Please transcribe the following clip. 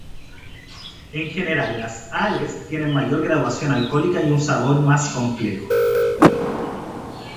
En general, las "ales" tienen mayor graduación alcohólica y un sabor más complejo.